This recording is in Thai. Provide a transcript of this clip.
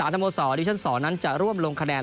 ๒๘๓ทมอดิวิชัน๒นั้นจะร่วมลงคะแนน